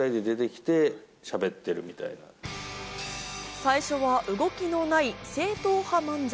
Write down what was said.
最初は動きのない正統派漫才。